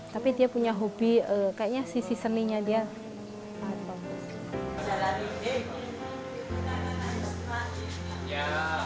tapi dia punya hobi kayaknya sisi seninya dia